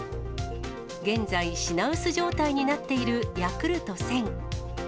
現在、品薄状態になっているヤクルト１０００。